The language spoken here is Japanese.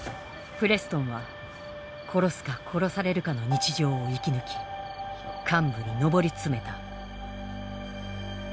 プレストンは殺すか殺されるかの日常を生き抜き幹部に上り詰めた。